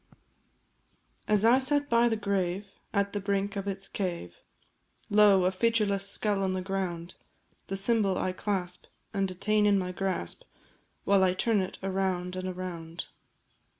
As I sat by the grave, at the brink of its cave Lo! a featureless skull on the ground; The symbol I clasp, and detain in my grasp, While I turn it around and around.